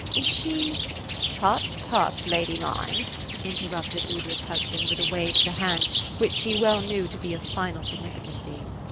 Is she "'* Tut, tut, lady mine ;" interrupted Aoudra's husband, with a wave of the hand, which she well knew to be of final significancy.